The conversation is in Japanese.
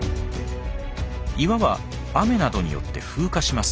岩は雨などによって風化します。